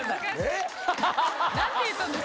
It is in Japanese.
えっ⁉何て言ったんですか？